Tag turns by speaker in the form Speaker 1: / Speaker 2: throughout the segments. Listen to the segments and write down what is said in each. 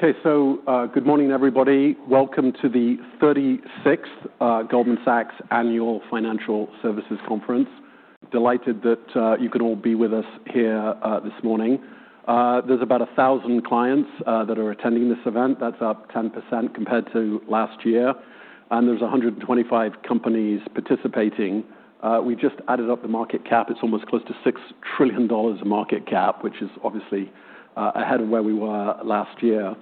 Speaker 1: Okay, so good morning, everybody. Welcome to the 36th Goldman Sachs Annual Financial Services Conference. Delighted that you can all be with us here this morning. There's about a thousand clients that are attending this event. That's up 10% compared to last year, and there's 125 companies participating. We just added up the market cap. It's almost close to $6 trillion of market cap, which is obviously ahead of where we were last year.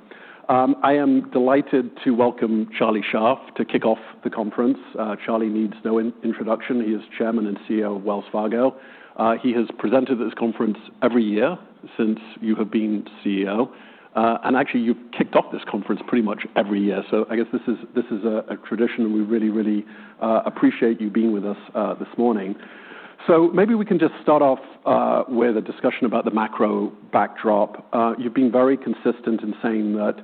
Speaker 1: I am delighted to welcome Charlie Scharf to kick off the conference. Charlie needs no introduction. He is Chairman and CEO of Wells Fargo. He has presented at this conference every year since you have been CEO, and actually, you've kicked off this conference pretty much every year. So I guess this is a tradition, and we really, really appreciate you being with us this morning. So maybe we can just start off with a discussion about the macro backdrop. You've been very consistent in saying that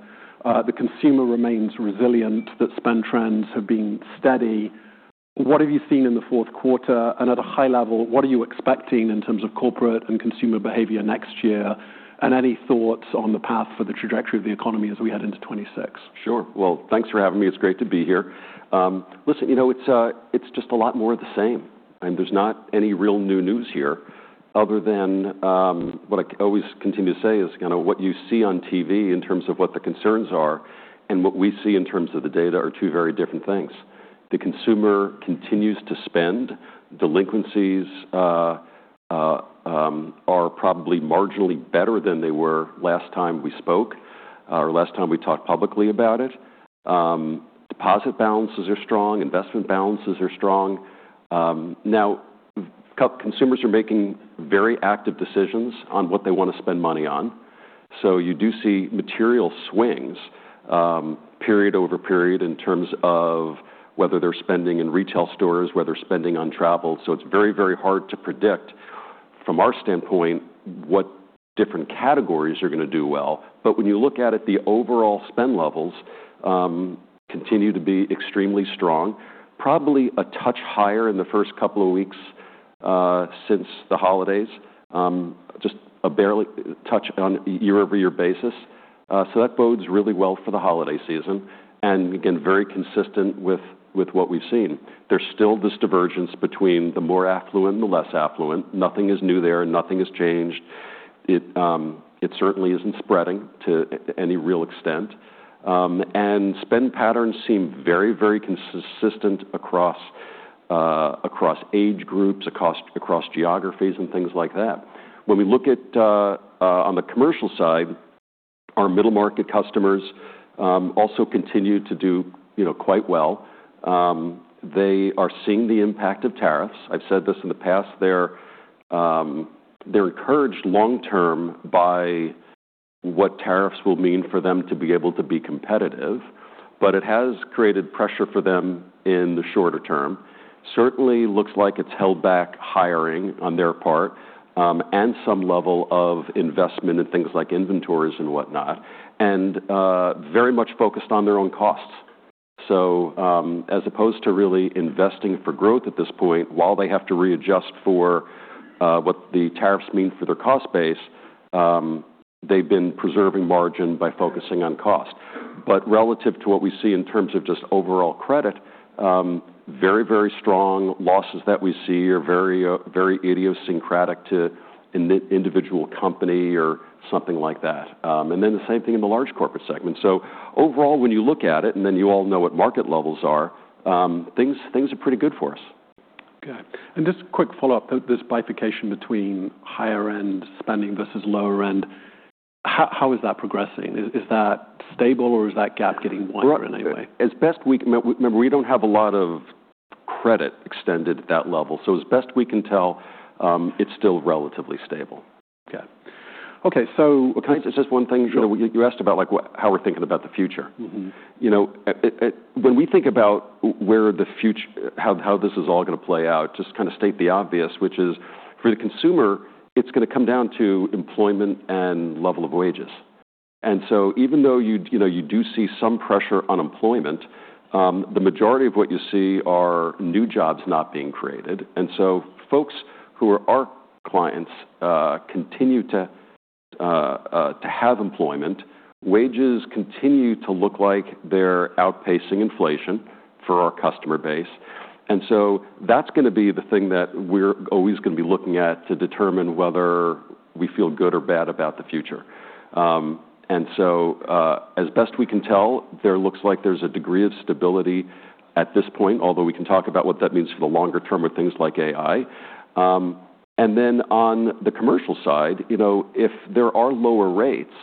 Speaker 1: the consumer remains resilient, that spend trends have been steady. What have you seen in the fourth quarter? And at a high level, what are you expecting in terms of corporate and consumer behavior next year? And any thoughts on the path for the trajectory of the economy as we head into 2026?
Speaker 2: Sure, well, thanks for having me. It's great to be here. Listen, you know, it's just a lot more of the same. There's not any real new news here other than what I always continue to say is, you know, what you see on TV in terms of what the concerns are and what we see in terms of the data are two very different things. The consumer continues to spend. Delinquencies are probably marginally better than they were last time we spoke, or last time we talked publicly about it. Deposit balances are strong. Investment balances are strong. Now, consumers are making very active decisions on what they wanna spend money on, so you do see material swings, period over period, in terms of whether they're spending in retail stores, whether they're spending on travel. It's very, very hard to predict from our standpoint what different categories are gonna do well. But when you look at it, the overall spend levels continue to be extremely strong, probably a touch higher in the first couple of weeks since the holidays, just barely a touch on a year-over-year basis. That bodes really well for the holiday season. And again, very consistent with what we've seen. There's still this divergence between the more affluent and the less affluent. Nothing is new there. Nothing has changed. It certainly isn't spreading to any real extent. Spend patterns seem very, very consistent across age groups, across geographies, and things like that. When we look at on the commercial side, our middle market customers also continue to do, you know, quite well. They are seeing the impact of tariffs. I've said this in the past. They're encouraged long-term by what tariffs will mean for them to be able to be competitive. But it has created pressure for them in the shorter term. Certainly, it looks like it's held back hiring on their part, and some level of investment in things like inventories and whatnot, and very much focused on their own costs. So, as opposed to really investing for growth at this point, while they have to readjust for what the tariffs mean for their cost base, they've been preserving margin by focusing on cost. But relative to what we see in terms of just overall credit, very, very strong losses that we see are very, very idiosyncratic to an individual company or something like that, and then the same thing in the large corporate segment. So overall, when you look at it, and then you all know what market levels are, things are pretty good for us.
Speaker 1: Okay. And just a quick follow-up. This bifurcation between higher-end spending versus lower-end, how is that progressing? Is that stable, or is that gap getting wider in any way?
Speaker 2: As best we remember, we don't have a lot of credit extended at that level. As best we can tell, it's still relatively stable.
Speaker 1: Okay. So, okay.
Speaker 2: Can I just one thing?
Speaker 1: Sure.
Speaker 2: You know, you asked about, like, what, how we're thinking about the future.
Speaker 1: Mm-hmm.
Speaker 2: You know, and when we think about where the future, how this is all gonna play out, just kinda state the obvious, which is for the consumer, it's gonna come down to employment and level of wages. And so even though you, you know, do see some pressure on employment, the majority of what you see are new jobs not being created. And so folks who are our clients continue to have employment. Wages continue to look like they're outpacing inflation for our customer base. And so that's gonna be the thing that we're always gonna be looking at to determine whether we feel good or bad about the future. And so, as best we can tell, there looks like there's a degree of stability at this point, although we can talk about what that means for the longer term with things like AI. And then on the commercial side, you know, if there are lower rates,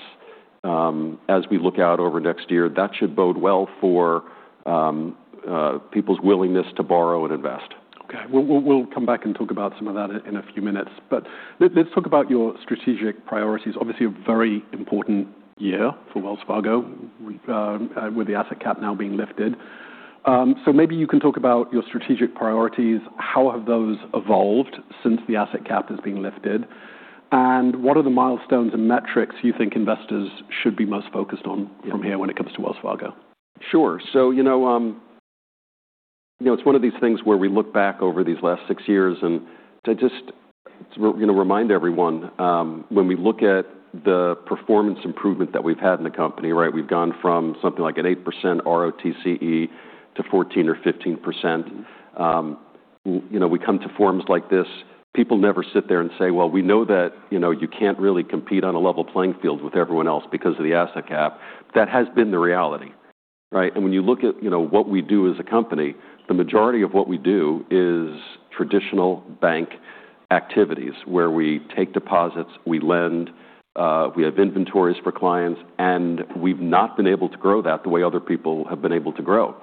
Speaker 2: as we look out over next year, that should bode well for people's willingness to borrow and invest.
Speaker 1: Okay. We'll come back and talk about some of that in a few minutes. But let's talk about your strategic priorities. Obviously, a very important year for Wells Fargo, with the asset cap now being lifted. So maybe you can talk about your strategic priorities. How have those evolved since the asset cap has been lifted? And what are the milestones and metrics you think investors should be most focused on from here when it comes to Wells Fargo?
Speaker 2: Sure. So, you know, you know, it's one of these things where we look back over these last six years and to just, you know, remind everyone, when we look at the performance improvement that we've had in the company, right, we've gone from something like an 8% ROTCE to 14% or 15%.
Speaker 1: Mm-hmm.
Speaker 2: You know, we come to forums like this, people never sit there and say, "Well, we know that, you know, you can't really compete on a level playing field with everyone else because of the asset cap." That has been the reality, right? And when you look at, you know, what we do as a company, the majority of what we do is traditional bank activities where we take deposits, we lend, we have inventories for clients, and we've not been able to grow that the way other people have been able to grow.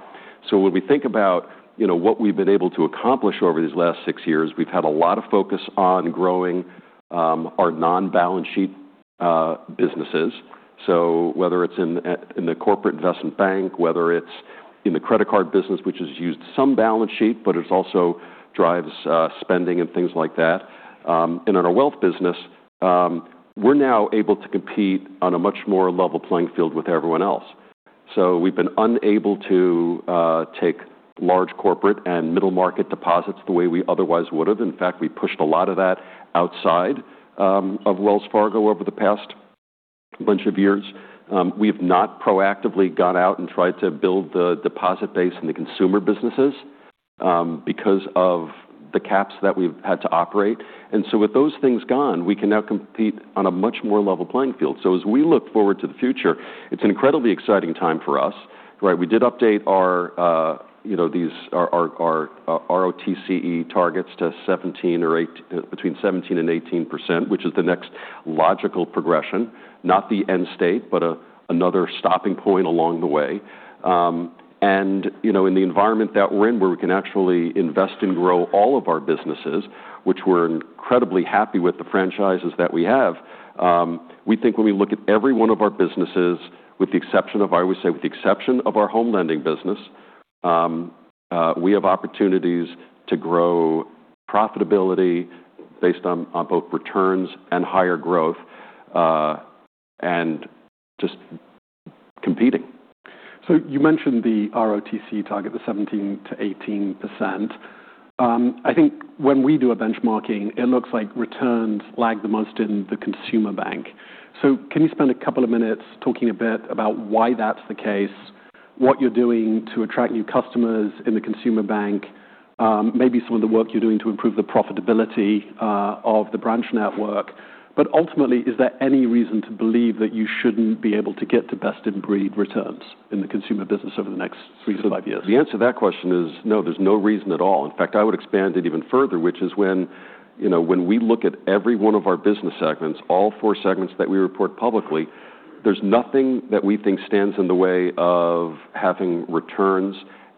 Speaker 2: So when we think about, you know, what we've been able to accomplish over these last six years, we've had a lot of focus on growing our non-balance sheet businesses. So whether it's in the corporate investment bank, whether it's in the credit card business, which has used some balance sheet, but it also drives spending and things like that, and in our wealth business, we're now able to compete on a much more level playing field with everyone else. So we've been unable to take large corporate and middle market deposits the way we otherwise would've. In fact, we pushed a lot of that outside of Wells Fargo over the past bunch of years. We have not proactively gone out and tried to build the deposit base in the consumer businesses, because of the caps that we've had to operate. And so with those things gone, we can now compete on a much more level playing field. So as we look forward to the future, it's an incredibly exciting time for us, right? We did update our, you know, our ROTCE targets to 17 or 18, between 17% and 18%, which is the next logical progression, not the end state, but another stopping point along the way, and you know, in the environment that we're in, where we can actually invest and grow all of our businesses, which we're incredibly happy with the franchises that we have, we think when we look at every one of our businesses, with the exception of, I always say, with the exception of our home lending business, we have opportunities to grow profitability based on both returns and higher growth, and just competing.
Speaker 1: So you mentioned the ROTCE target, the 17%-18%. I think when we do a benchmarking, it looks like returns lag the most in the consumer bank. So can you spend a couple of minutes talking a bit about why that's the case, what you're doing to attract new customers in the consumer bank, maybe some of the work you're doing to improve the profitability, of the branch network? But ultimately, is there any reason to believe that you shouldn't be able to get to best-in-breed returns in the consumer business over the next three to five years?
Speaker 2: The answer to that question is no, there's no reason at all. In fact, I would expand it even further, which is when, you know, when we look at every one of our business segments, all four segments that we report publicly, there's nothing that we think stands in the way of having returns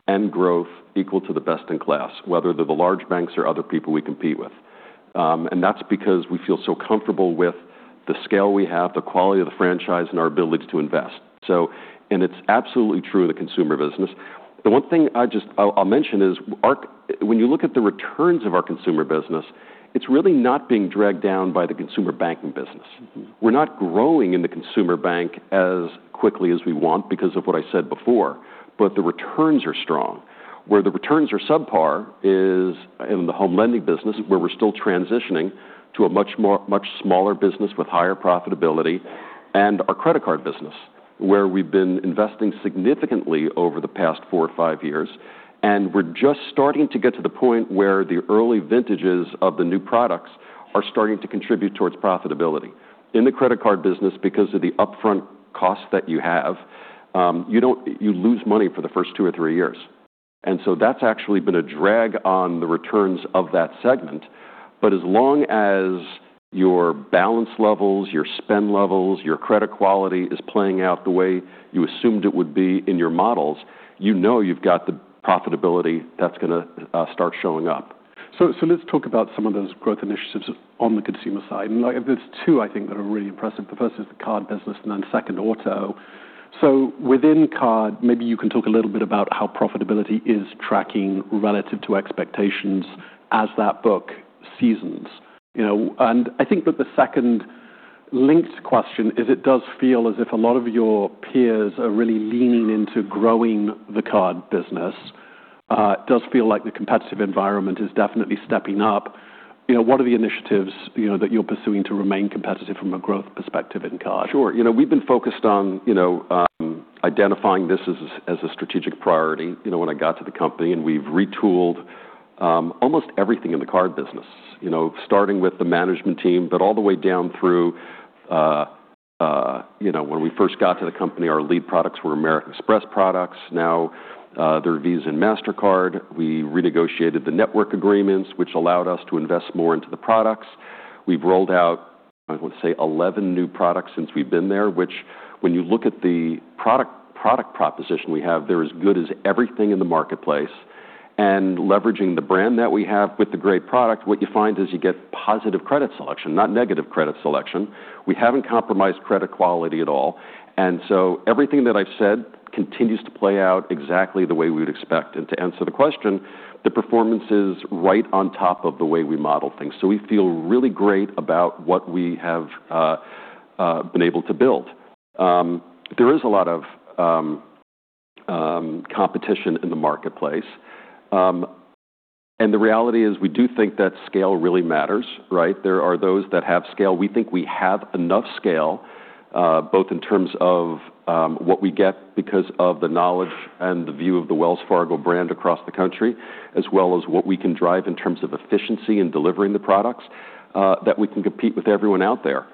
Speaker 2: and growth equal to the best in class, whether they're the large banks or other people we compete with, and that's because we feel so comfortable with the scale we have, the quality of the franchise, and our ability to invest. So, and it's absolutely true in the consumer business. The one thing I just, I'll mention is when you look at the returns of our consumer business, it's really not being dragged down by the consumer banking business.
Speaker 1: Mm-hmm.
Speaker 2: We're not growing in the consumer bank as quickly as we want because of what I said before, but the returns are strong. Where the returns are subpar is in the home lending business, where we're still transitioning to a much smaller business with higher profitability, and our credit card business, where we've been investing significantly over the past four or five years. And we're just starting to get to the point where the early vintages of the new products are starting to contribute towards profitability. In the credit card business, because of the upfront costs that you have, you don't lose money for the first two or three years. And so that's actually been a drag on the returns of that segment. But as long as your balance levels, your spend levels, your credit quality is playing out the way you assumed it would be in your models, you know you've got the profitability that's gonna start showing up.
Speaker 1: So, let's talk about some of those growth initiatives on the consumer side. And, like, there's two, I think, that are really impressive. The first is the card business, and then second, auto. So within card, maybe you can talk a little bit about how profitability is tracking relative to expectations as that book seasons, you know? And I think that the second linked question is it does feel as if a lot of your peers are really leaning into growing the card business. It does feel like the competitive environment is definitely stepping up. You know, what are the initiatives, you know, that you're pursuing to remain competitive from a growth perspective in card?
Speaker 2: Sure. You know, we've been focused on, you know, identifying this as as a strategic priority, you know, when I got to the company. And we've retooled almost everything in the card business, you know, starting with the management team, but all the way down through, you know, when we first got to the company, our lead products were American Express products. Now, there are Visa and Mastercard. We renegotiated the network agreements, which allowed us to invest more into the products. We've rolled out, I wanna say, 11 new products since we've been there, which when you look at the product proposition we have, there's as good as everything in the marketplace. And leveraging the brand that we have with the great product, what you find is you get positive credit selection, not negative credit selection. We haven't compromised credit quality at all. And so everything that I've said continues to play out exactly the way we would expect. And to answer the question, the performance is right on top of the way we model things. So we feel really great about what we have been able to build. There is a lot of competition in the marketplace. And the reality is we do think that scale really matters, right? There are those that have scale. We think we have enough scale, both in terms of what we get because of the knowledge and the view of the Wells Fargo brand across the country, as well as what we can drive in terms of efficiency in delivering the products that we can compete with everyone out there.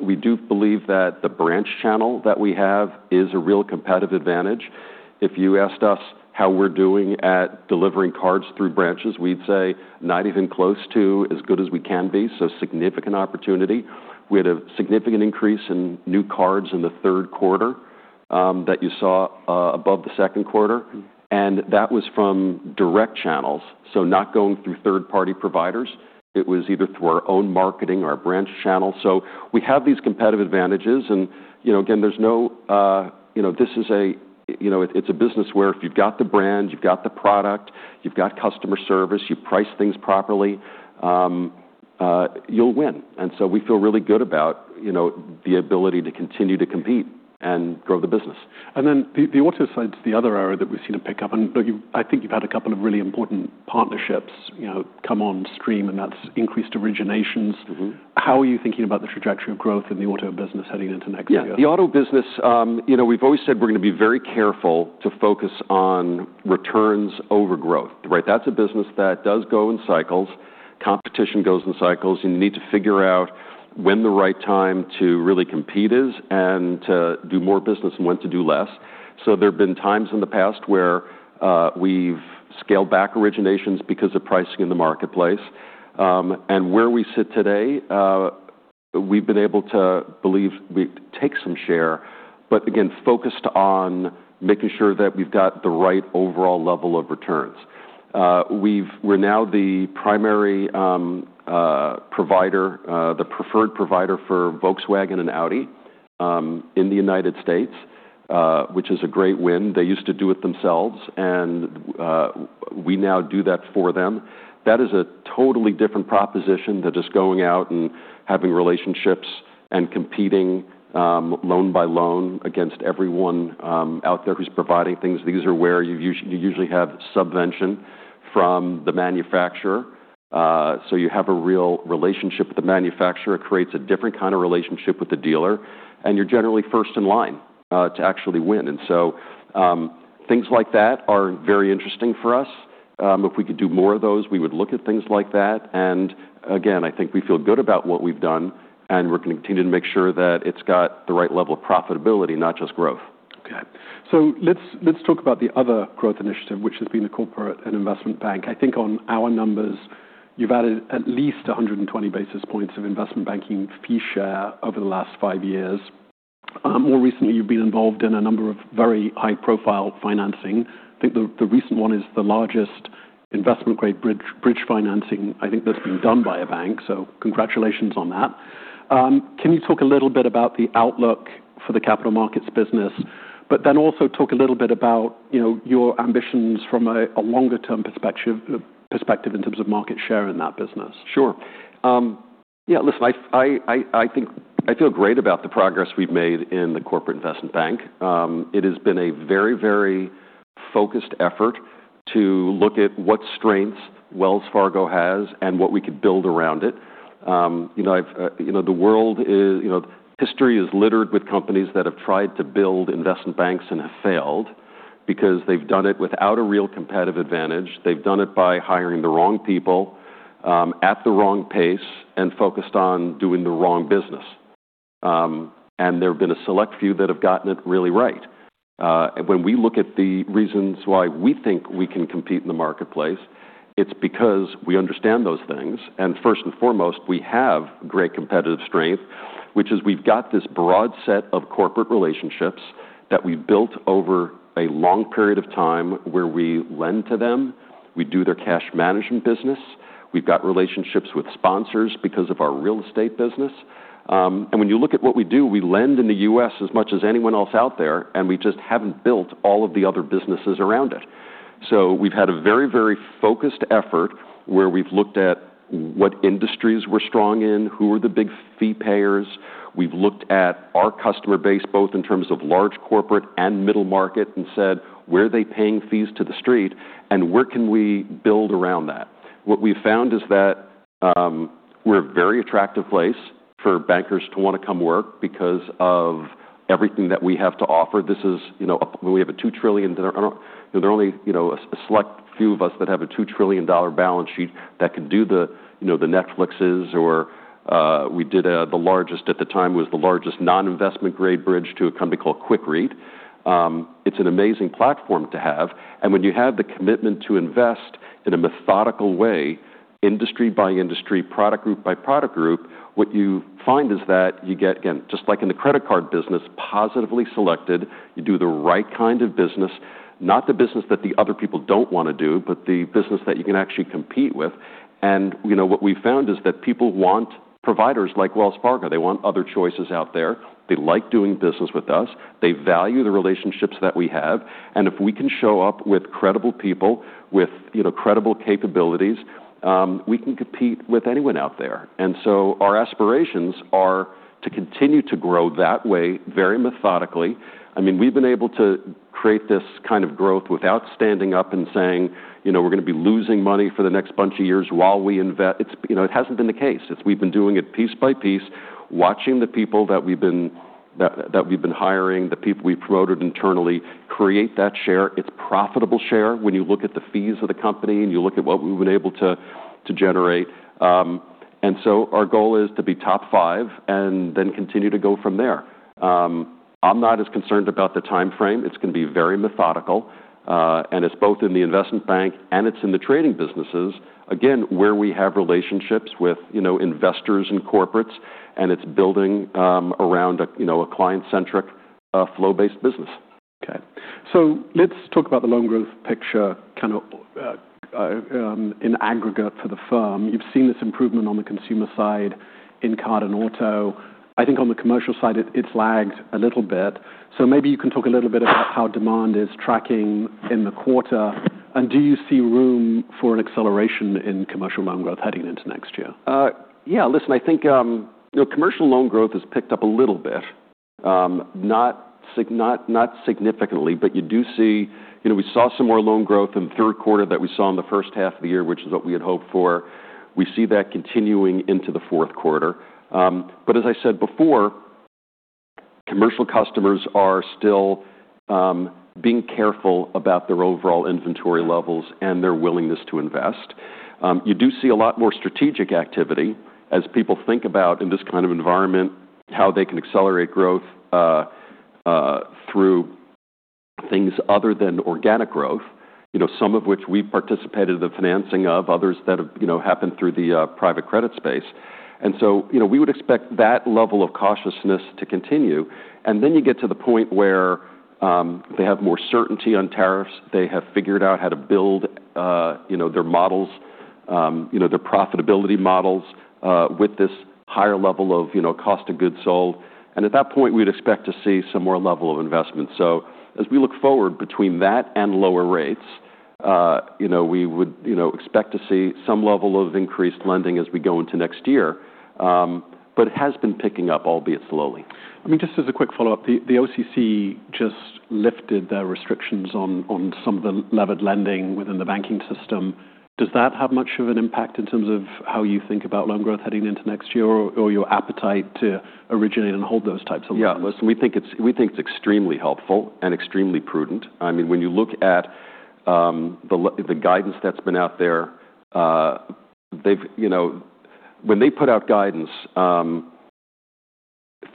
Speaker 2: We do believe that the branch channel that we have is a real competitive advantage. If you asked us how we're doing at delivering cards through branches, we'd say not even close to as good as we can be. So, significant opportunity. We had a significant increase in new cards in the third quarter, that you saw, above the second quarter.
Speaker 1: Mm-hmm.
Speaker 2: That was from direct channels, so not going through third-party providers. It was either through our own marketing or our branch channel. We have these competitive advantages. You know, again, there's no, you know, this is a, you know, it's a business where if you've got the brand, you've got the product, you've got customer service, you price things properly, you'll win. We feel really good about, you know, the ability to continue to compete and grow the business.
Speaker 1: Then do you want to say to the other area that we've seen a pickup? You know, you, I think, you've had a couple of really important partnerships, you know, come on stream, and that's increased originations.
Speaker 2: Mm-hmm.
Speaker 1: How are you thinking about the trajectory of growth in the auto business heading into next year?
Speaker 2: Yeah. The auto business, you know, we've always said we're gonna be very careful to focus on returns over growth, right? That's a business that does go in cycles. Competition goes in cycles. You need to figure out when the right time to really compete is and to do more business and when to do less. So there've been times in the past where we've scaled back originations because of pricing in the marketplace, and where we sit today, we've been able to. I believe we take some share, but again, focused on making sure that we've got the right overall level of returns. We're now the primary provider, the preferred provider for Volkswagen and Audi, in the United States, which is a great win. They used to do it themselves, and we now do that for them. That is a totally different proposition than just going out and having relationships and competing, loan by loan against everyone, out there who's providing things. These are where you usually have subvention from the manufacturer, so you have a real relationship with the manufacturer. It creates a different kind of relationship with the dealer, and you're generally first in line, to actually win, and so things like that are very interesting for us. If we could do more of those, we would look at things like that, and again I think we feel good about what we've done, and we're gonna continue to make sure that it's got the right level of profitability, not just growth.
Speaker 1: Okay. So let's talk about the other growth initiative, which has been the corporate and investment bank. I think on our numbers, you've added at least 120 basis points of investment banking fee share over the last five years. More recently, you've been involved in a number of very high-profile financing. I think the recent one is the largest investment-grade bridge financing, I think, that's been done by a bank. So congratulations on that. Can you talk a little bit about the outlook for the capital markets business, but then also talk a little bit about, you know, your ambitions from a longer-term perspective in terms of market share in that business?
Speaker 2: Sure. Yeah, listen, I think I feel great about the progress we've made in the corporate investment bank. It has been a very, very focused effort to look at what strengths Wells Fargo has and what we could build around it. You know, the world is, you know, history is littered with companies that have tried to build investment banks and have failed because they've done it without a real competitive advantage. They've done it by hiring the wrong people, at the wrong pace, and focused on doing the wrong business, and there've been a select few that have gotten it really right. When we look at the reasons why we think we can compete in the marketplace, it's because we understand those things. And first and foremost, we have great competitive strength, which is we've got this broad set of corporate relationships that we've built over a long period of time where we lend to them. We do their cash management business. We've got relationships with sponsors because of our real estate business. And when you look at what we do, we lend in the U.S. as much as anyone else out there, and we just haven't built all of the other businesses around it. So we've had a very, very focused effort where we've looked at what industries we're strong in, who are the big fee payers. We've looked at our customer base, both in terms of large corporate and middle market, and said, "Where are they paying fees to the street, and where can we build around that?" What we've found is that, we're a very attractive place for bankers to wanna come work because of everything that we have to offer. This is, you know, we have a $2 trillion. You know, there are only, you know, a select few of us that have a $2 trillion balance sheet that can do the, you know, the Netflix's or, we did the largest at the time was the largest non-investment-grade bridge to a company called Quikrete. It's an amazing platform to have. When you have the commitment to invest in a methodical way, industry by industry, product group by product group, what you find is that you get, again, just like in the credit card business, positively selected, you do the right kind of business, not the business that the other people don't wanna do, but the business that you can actually compete with. You know, what we've found is that people want providers like Wells Fargo. They want other choices out there. They like doing business with us. They value the relationships that we have. If we can show up with credible people, with, you know, credible capabilities, we can compete with anyone out there. So our aspirations are to continue to grow that way very methodically. I mean, we've been able to create this kind of growth without standing up and saying, you know, "We're gonna be losing money for the next bunch of years while we invest." It's, you know, it hasn't been the case. It's we've been doing it piece by piece, watching the people that we've been hiring, the people we've promoted internally create that share. It's profitable share when you look at the fees of the company and you look at what we've been able to generate. And so our goal is to be top five and then continue to go from there. I'm not as concerned about the timeframe. It's gonna be very methodical, and it's both in the investment bank and it's in the trading businesses, again, where we have relationships with, you know, investors and corporates, and it's building around a, you know, a client-centric, flow-based business.
Speaker 1: Okay. So let's talk about the loan growth picture, kind of, in aggregate for the firm. You've seen this improvement on the consumer side in card and auto. I think on the commercial side, it, it's lagged a little bit. So maybe you can talk a little bit about how demand is tracking in the quarter. And do you see room for an acceleration in commercial loan growth heading into next year?
Speaker 2: Yeah, listen, I think, you know, commercial loan growth has picked up a little bit, not significantly, but you do see, you know, we saw some more loan growth in the third quarter that we saw in the first half of the year, which is what we had hoped for. We see that continuing into the fourth quarter, but as I said before, commercial customers are still being careful about their overall inventory levels and their willingness to invest. You do see a lot more strategic activity as people think about, in this kind of environment, how they can accelerate growth, through things other than organic growth, you know, some of which we've participated in the financing of, others that have, you know, happened through the private credit space, and so, you know, we would expect that level of cautiousness to continue. And then you get to the point where, they have more certainty on tariffs. They have figured out how to build, you know, their models, you know, their profitability models, with this higher level of, you know, cost of goods sold. And at that point, we would expect to see some more level of investment. So as we look forward between that and lower rates, you know, we would, you know, expect to see some level of increased lending as we go into next year. But it has been picking up, albeit slowly.
Speaker 1: I mean, just as a quick follow-up, the OCC just lifted their restrictions on some of the levered lending within the banking system. Does that have much of an impact in terms of how you think about loan growth heading into next year or your appetite to originate and hold those types of loans?
Speaker 2: Yeah. Listen, we think it's extremely helpful and extremely prudent. I mean, when you look at the guidance that's been out there, they've, you know, when they put out guidance,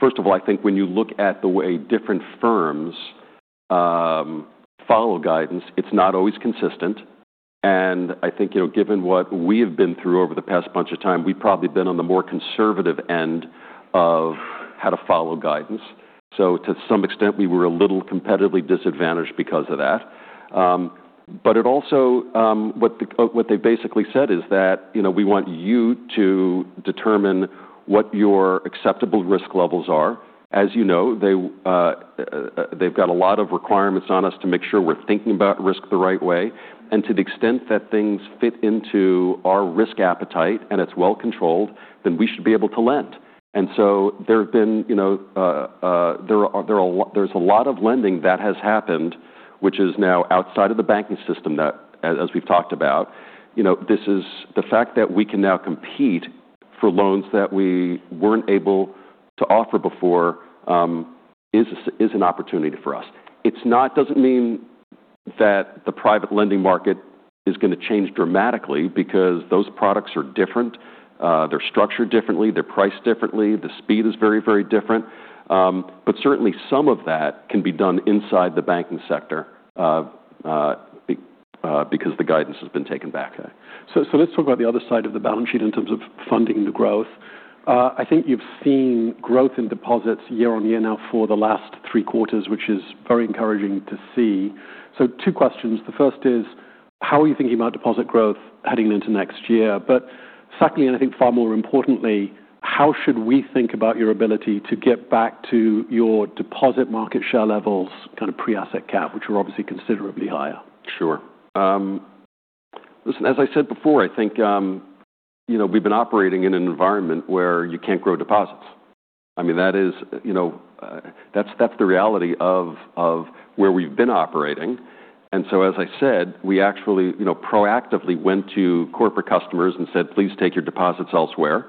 Speaker 2: first of all, I think when you look at the way different firms follow guidance, it's not always consistent. And I think, you know, given what we have been through over the past bunch of time, we've probably been on the more conservative end of how to follow guidance. So to some extent, we were a little competitively disadvantaged because of that. It also, what they basically said is that, you know, we want you to determine what your acceptable risk levels are. As you know, they've got a lot of requirements on us to make sure we're thinking about risk the right way. To the extent that things fit into our risk appetite and it's well controlled, then we should be able to lend. So there have been, you know, a lot of lending that has happened, which is now outside of the banking system, as we've talked about. You know, the fact that we can now compete for loans that we weren't able to offer before is an opportunity for us. It doesn't mean that the private lending market is gonna change dramatically because those products are different. They're structured differently. They're priced differently. The speed is very, very different, but certainly, some of that can be done inside the banking sector, because the guidance has been taken back.
Speaker 1: Okay. So, let's talk about the other side of the balance sheet in terms of funding the growth. I think you've seen growth in deposits year on year now for the last three quarters, which is very encouraging to see. So two questions. The first is, how are you thinking about deposit growth heading into next year? But secondly, and I think far more importantly, how should we think about your ability to get back to your deposit market share levels, kind of pre-asset cap, which are obviously considerably higher?
Speaker 2: Sure. Listen, as I said before, I think, you know, we've been operating in an environment where you can't grow deposits. I mean, that is, you know, that's the reality of where we've been operating. And so, as I said, we actually, you know, proactively went to corporate customers and said, "Please take your deposits elsewhere,"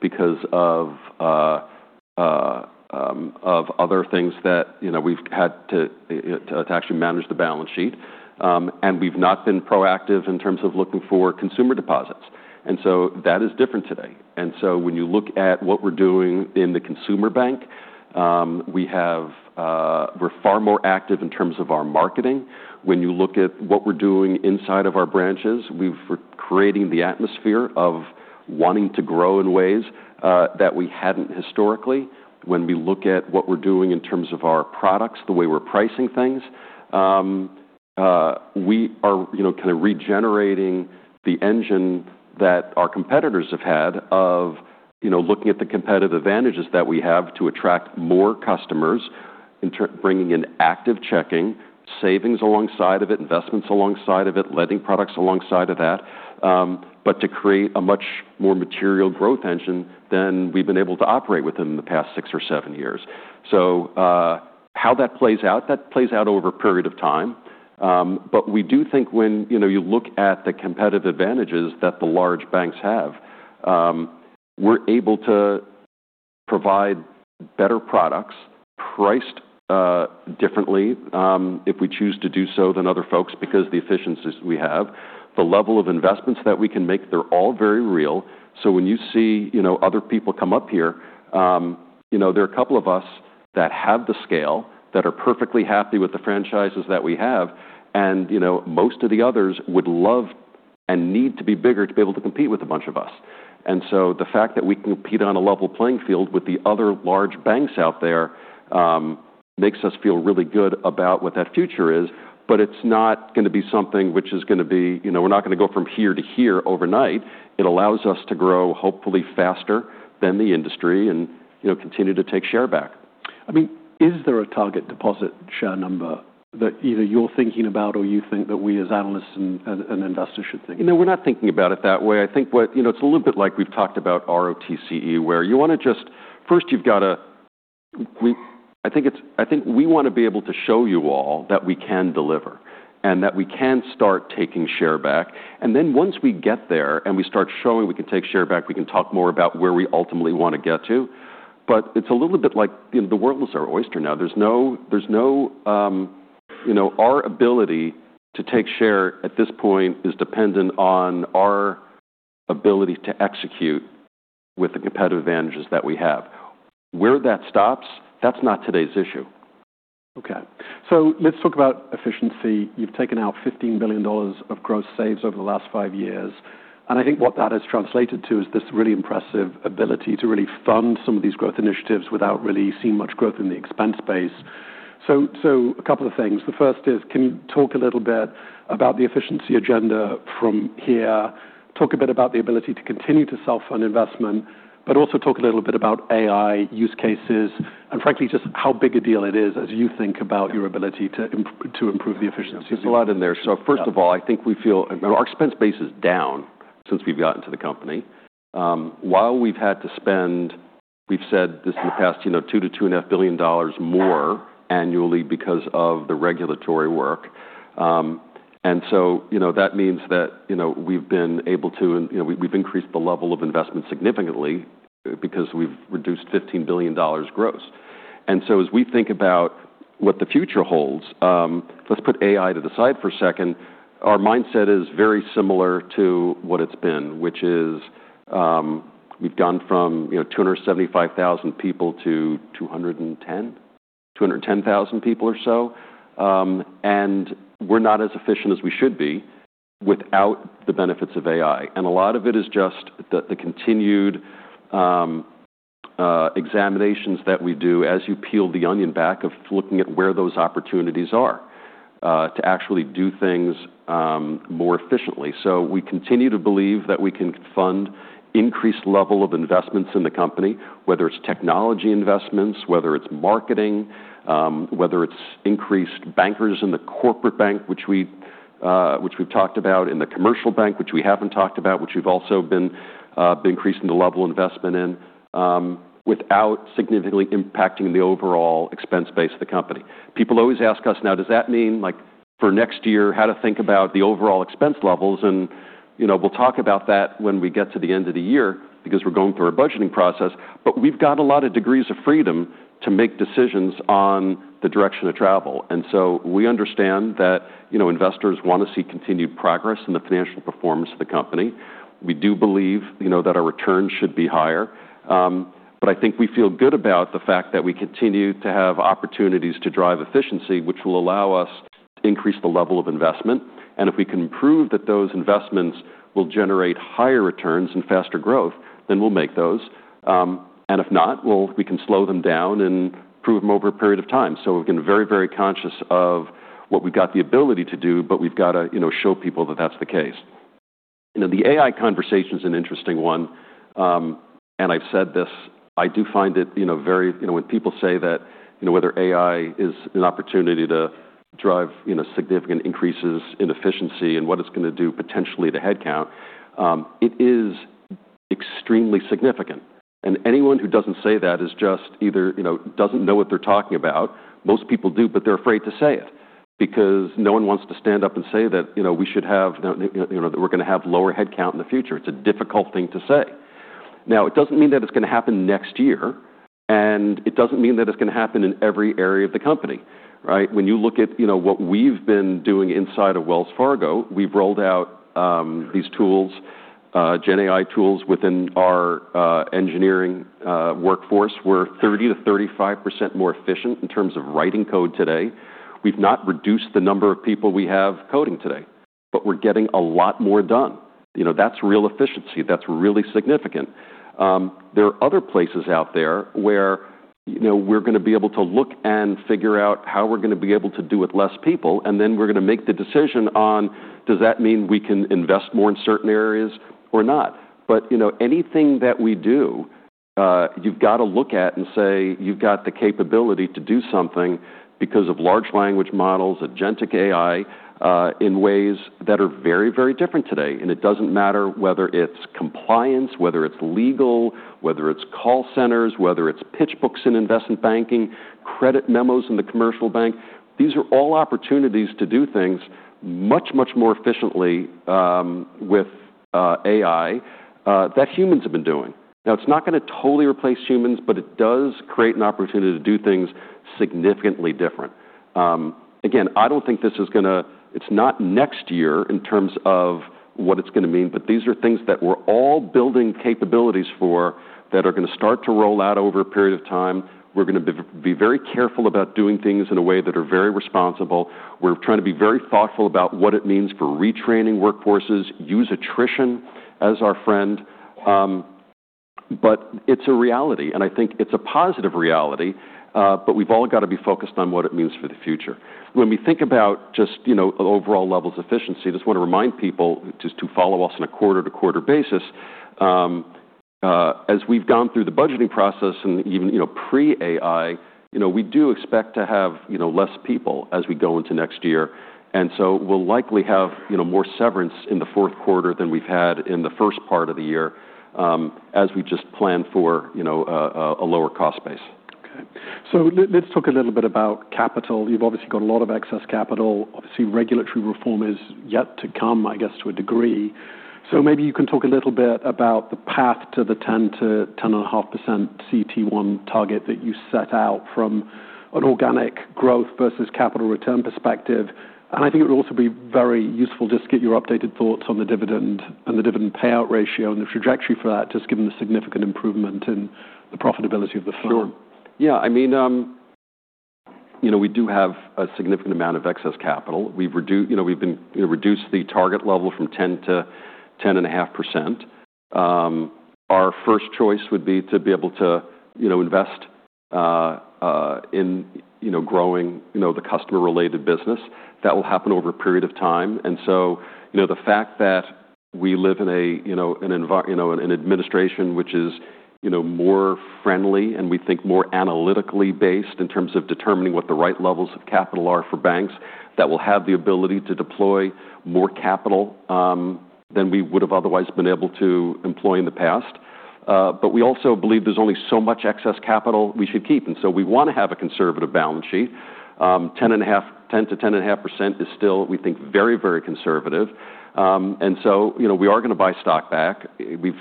Speaker 2: because of other things that, you know, we've had to actually manage the balance sheet, and we've not been proactive in terms of looking for consumer deposits. So that is different today. So when you look at what we're doing in the consumer bank, we have, we're far more active in terms of our marketing. When you look at what we're doing inside of our branches, we're creating the atmosphere of wanting to grow in ways that we hadn't historically. When we look at what we're doing in terms of our products, the way we're pricing things, we are, you know, kinda regenerating the engine that our competitors have had of, you know, looking at the competitive advantages that we have to attract more customers, in turn bringing in active checking, savings alongside of it, investments alongside of it, lending products alongside of that, but to create a much more material growth engine than we've been able to operate within the past six or seven years. So, how that plays out, that plays out over a period of time. But we do think when, you know, you look at the competitive advantages that the large banks have, we're able to provide better products, priced differently, if we choose to do so than other folks because of the efficiencies we have. The level of investments that we can make, they're all very real. So when you see, you know, other people come up here, you know, there are a couple of us that have the scale, that are perfectly happy with the franchises that we have, and, you know, most of the others would love and need to be bigger to be able to compete with a bunch of us. And so the fact that we can compete on a level playing field with the other large banks out there, makes us feel really good about what that future is. But it's not gonna be something which is gonna be, you know, we're not gonna go from here to here overnight. It allows us to grow hopefully faster than the industry and, you know, continue to take share back.
Speaker 1: I mean, is there a target deposit share number that either you're thinking about or you think that we as analysts and investors should think?
Speaker 2: You know, we're not thinking about it that way. I think, you know, it's a little bit like we've talked about ROTCE, where you wanna just first you've gotta, I think we wanna be able to show you all that we can deliver and that we can start taking share back, and then once we get there and we start showing we can take share back, we can talk more about where we ultimately wanna get to, but it's a little bit like, you know, the world is our oyster now. There's no, you know, our ability to take share at this point is dependent on our ability to execute with the competitive advantages that we have. Where that stops, that's not today's issue.
Speaker 1: Okay. So let's talk about efficiency. You've taken out $15 billion of gross saves over the last five years. And I think what that has translated to is this really impressive ability to really fund some of these growth initiatives without really seeing much growth in the expense base. So a couple of things. The first is, can you talk a little bit about the efficiency agenda from here, talk a bit about the ability to continue to self-fund investment, but also talk a little bit about AI use cases and, frankly, just how big a deal it is as you think about your ability to improve the efficiency?
Speaker 2: There's a lot in there. First of all, I think we feel our expense base is down since we've gotten to the company. While we've had to spend, we've said this in the past, you know, $2 billion-$2.5 billion more annually because of the regulatory work, and so, you know, that means that, you know, we've been able to, and, you know, we've increased the level of investment significantly because we've reduced $15 billion gross, and so as we think about what the future holds, let's put AI to the side for a second. Our mindset is very similar to what it's been, which is, we've gone from, you know, 275,000 people to 210,000 people or so, and we're not as efficient as we should be without the benefits of AI. And a lot of it is just the continued examinations that we do as you peel the onion back of looking at where those opportunities are to actually do things more efficiently. So we continue to believe that we can fund increased level of investments in the company, whether it's technology investments, whether it's marketing, whether it's increased bankers in the corporate bank, which we've talked about in the commercial bank, which we haven't talked about, which we've also been increasing the level of investment in, without significantly impacting the overall expense base of the company. People always ask us now, does that mean, like, for next year, how to think about the overall expense levels? And you know, we'll talk about that when we get to the end of the year because we're going through our budgeting process. But we've got a lot of degrees of freedom to make decisions on the direction of travel. And so we understand that, you know, investors wanna see continued progress in the financial performance of the company. We do believe, you know, that our return should be higher. But I think we feel good about the fact that we continue to have opportunities to drive efficiency, which will allow us to increase the level of investment. And if we can prove that those investments will generate higher returns and faster growth, then we'll make those. And if not, well, we can slow them down and prove them over a period of time. So we've been very, very conscious of what we've got the ability to do, but we've gotta show people that that's the case. You know, the AI conversation's an interesting one. And I've said this. I do find it, you know, very, you know, when people say that, you know, whether AI is an opportunity to drive, you know, significant increases in efficiency and what it's gonna do potentially to headcount, it is extremely significant. And anyone who doesn't say that is just either, you know, doesn't know what they're talking about. Most people do, but they're afraid to say it because no one wants to stand up and say that, you know, we should have, you know, that we're gonna have lower headcount in the future. It's a difficult thing to say. Now, it doesn't mean that it's gonna happen next year, and it doesn't mean that it's gonna happen in every area of the company, right? When you look at, you know, what we've been doing inside of Wells Fargo, we've rolled out, these tools, GenAI tools within our, engineering, workforce. We're 30%-35% more efficient in terms of writing code today. We've not reduced the number of people we have coding today, but we're getting a lot more done. You know, that's real efficiency. That's really significant. There are other places out there where, you know, we're gonna be able to look and figure out how we're gonna be able to do it with less people, and then we're gonna make the decision on, does that mean we can invest more in certain areas or not? But, you know, anything that we do, you've gotta look at and say, you've got the capability to do something because of large language models, agentic AI, in ways that are very, very different today. It doesn't matter whether it's compliance, whether it's legal, whether it's call centers, whether it's pitch books in investment banking, credit memos in the commercial bank. These are all opportunities to do things much, much more efficiently with AI that humans have been doing. Now, it's not gonna totally replace humans, but it does create an opportunity to do things significantly different. Again, I don't think this is gonna. It's not next year in terms of what it's gonna mean, but these are things that we're all building capabilities for that are gonna start to roll out over a period of time. We're gonna be very careful about doing things in a way that are very responsible. We're trying to be very thoughtful about what it means for retraining workforces, use attrition as our friend. But it's a reality, and I think it's a positive reality. But we've all gotta be focused on what it means for the future. When we think about just, you know, overall levels of efficiency, I just wanna remind people just to follow us on a quarter-to-quarter basis. As we've gone through the budgeting process and even, you know, pre-AI, you know, we do expect to have, you know, less people as we go into next year. And so we'll likely have, you know, more severance in the fourth quarter than we've had in the first part of the year, as we just plan for, you know, a lower cost base.
Speaker 1: Okay. Let's talk a little bit about capital. You've obviously got a lot of excess capital. Obviously, regulatory reform is yet to come, I guess, to a degree. Maybe you can talk a little bit about the path to the 10%-10.5% CT1 target that you set out from an organic growth versus capital return perspective. And I think it would also be very useful just to get your updated thoughts on the dividend and the dividend payout ratio and the trajectory for that, just given the significant improvement in the profitability of the firm.
Speaker 2: Sure. Yeah. I mean, you know, we do have a significant amount of excess capital. We've reduced, you know, the target level from 10% to 10.5%. Our first choice would be to be able to, you know, invest in, you know, growing, you know, the customer-related business. That will happen over a period of time, and so, you know, the fact that we live in a, you know, an administration which is, you know, more friendly and we think more analytically based in terms of determining what the right levels of capital are for banks, that will have the ability to deploy more capital than we would've otherwise been able to employ in the past, but we also believe there's only so much excess capital we should keep, and so we wanna have a conservative balance sheet. 10 to 10.5% is still, we think, very, very conservative. So, you know, we are gonna buy stock back. We've,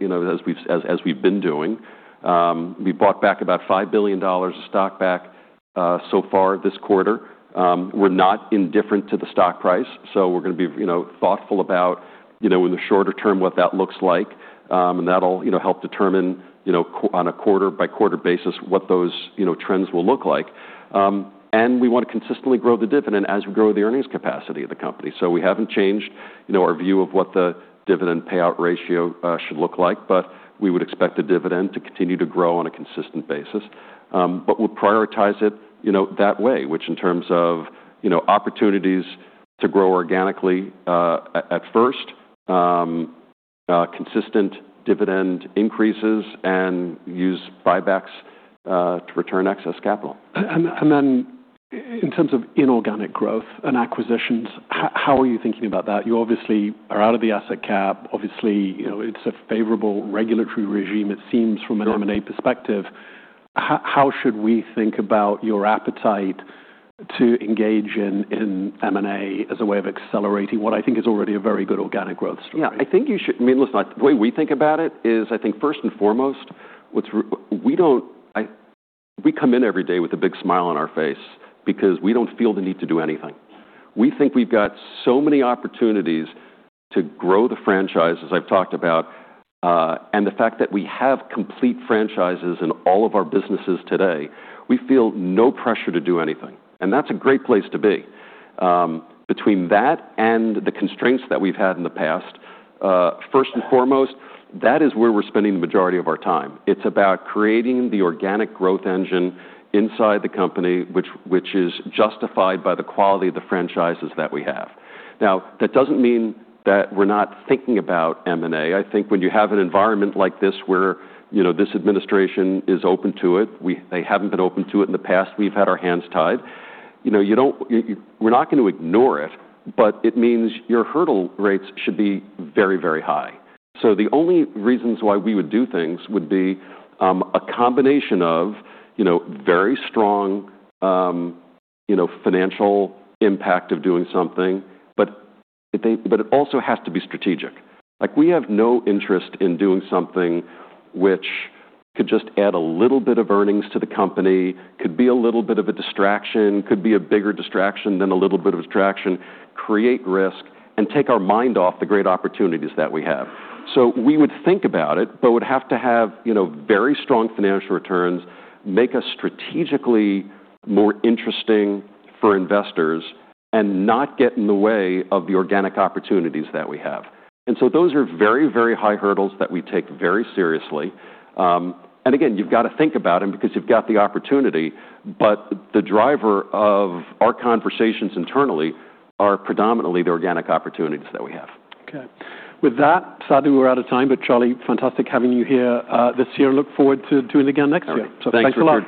Speaker 2: you know, as we've been doing. We bought back about $5 billion of stock, so far this quarter. We're not indifferent to the stock price. So we're gonna be, you know, thoughtful about, you know, in the shorter term what that looks like. And that'll, you know, help determine, you know, on a quarter-by-quarter basis what those, you know, trends will look like. And we wanna consistently grow the dividend as we grow the earnings capacity of the company. So we haven't changed, you know, our view of what the dividend payout ratio should look like, but we would expect the dividend to continue to grow on a consistent basis. But we'll prioritize it, you know, that way, which, in terms of, you know, opportunities to grow organically, at first, consistent dividend increases and use buybacks, to return excess capital.
Speaker 1: Then in terms of inorganic growth and acquisitions, how are you thinking about that? You obviously are out of the asset cap. Obviously, you know, it's a favorable regulatory regime, it seems, from an M&A perspective. How should we think about your appetite to engage in M&A as a way of accelerating what I think is already a very good organic growth strategy?
Speaker 2: Yeah. I mean, listen, the way we think about it is, I think, first and foremost, what we don't. We come in every day with a big smile on our face because we don't feel the need to do anything. We think we've got so many opportunities to grow the franchise, as I've talked about, and the fact that we have complete franchises in all of our businesses today, we feel no pressure to do anything. And that's a great place to be. Between that and the constraints that we've had in the past, first and foremost, that is where we're spending the majority of our time. It's about creating the organic growth engine inside the company, which is justified by the quality of the franchises that we have. Now, that doesn't mean that we're not thinking about M&A. I think when you have an environment like this where, you know, this administration is open to it, they haven't been open to it in the past, we've had our hands tied, you know, you don't we're not gonna ignore it, but it means your hurdle rates should be very, very high. So the only reasons why we would do things would be a combination of, you know, very strong, you know, financial impact of doing something, but it also has to be strategic. Like, we have no interest in doing something which could just add a little bit of earnings to the company, could be a little bit of a distraction, could be a bigger distraction than a little bit of distraction, create risk, and take our mind off the great opportunities that we have. So we would think about it, but would have to have, you know, very strong financial returns, make us strategically more interesting for investors, and not get in the way of the organic opportunities that we have. And so those are very, very high hurdles that we take very seriously. And again, you've gotta think about them because you've got the opportunity, but the driver of our conversations internally are predominantly the organic opportunities that we have.
Speaker 1: Okay. With that, sadly we're out of time, but Charlie, fantastic having you here this year. Look forward to doing it again next year.
Speaker 2: Yeah. Thanks a lot.